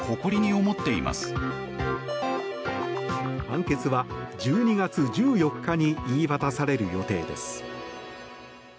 判決は１２月１４日に言い渡される予定です。